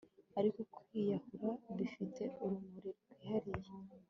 ariko kwiyahura bifite ururimi rwihariye